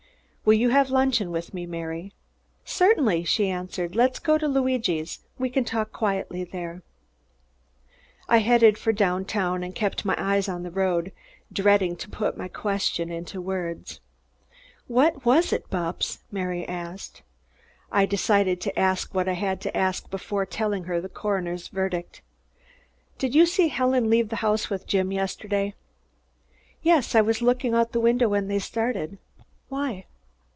"Will you have luncheon with me, Mary?" "Certainly," she answered. "Let's go to Luigi's. We can talk quietly there." I headed for down town and kept my eyes on the road, dreading to put my questions into words. "What was it, Bupps?" Mary asked. I decided to ask what I had to ask before telling her the coroner's verdict. "Did you see Helen leave the house with Jim yesterday?" "Yes. I was looking out the window when they started. Why?"